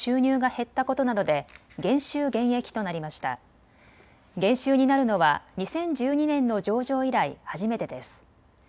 減収になるのは２０１２年の上場以来、初めてです。